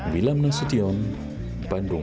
wilam nasution bandung